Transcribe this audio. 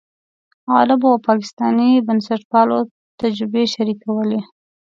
عربو او پاکستاني بنسټپالو تجربې شریکولې.